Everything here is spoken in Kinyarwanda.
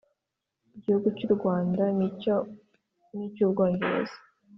Igihugu cy u Rwanda n icy Ubwongereza